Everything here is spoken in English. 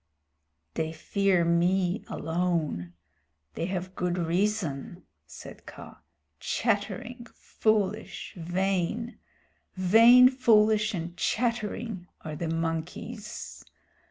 "They fear me alone. They have good reason," said Kaa. "Chattering, foolish, vain vain, foolish, and chattering, are the monkeys.